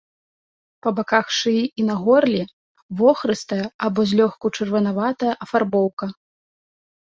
Па баках шыі і на горле вохрыстая або злёгку чырванаватая афарбоўка.